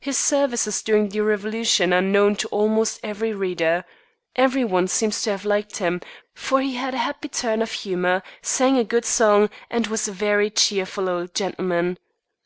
His services during the Revolution are known to almost every reader. Every one seems to have liked him, for he had a very happy turn for humor, sang a good song, and was a very cheerful old gentleman.